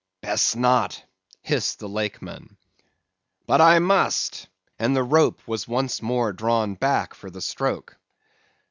"'Best not,' hissed the Lakeman. "'But I must,'—and the rope was once more drawn back for the stroke.